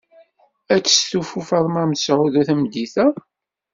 Ad testufu Faḍma Mesɛud tameddit-a?